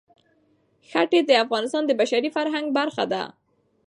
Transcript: ښتې د افغانستان د بشري فرهنګ برخه ده.